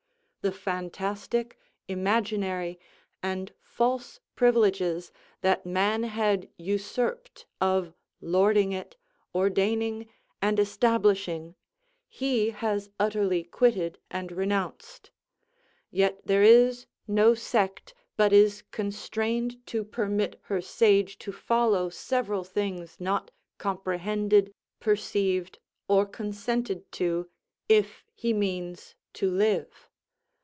The fantastic, imaginary, and false privileges that man had usurped of lording it, ordaining, and establishing, he has utterly quitted and renounced. Yet there is no sect but is constrained to permit her sage to follow several things not comprehended, perceived, or consented to, if he means to live.